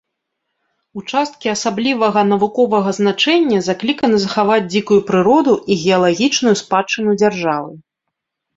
Участкі асаблівага навуковага значэння закліканы захаваць дзікую прыроду і геалагічную спадчыну дзяржавы.